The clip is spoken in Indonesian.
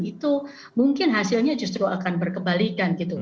itu mungkin hasilnya justru akan berkebalikan gitu